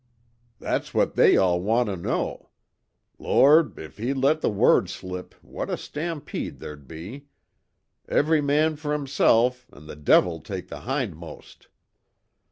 "That's what they all want to know. Lord, if he'd let the word slip what a stampede there'd be! Every man for himself an' the devil take the hindmost.